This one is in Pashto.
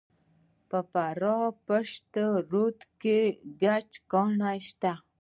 د فراه په پشت رود کې د ګچ کان شته.